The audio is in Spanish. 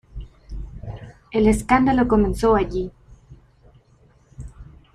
El escándalo comenzó allí.